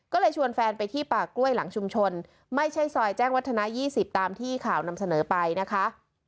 ก็เลยชวนแฟนไปที่ป่ากล้วยหลังชุมชนไม่ใช่ซอยแจ้งวัฒนา๒๐ตามที่ข่าวนำเสนอไปนะคะ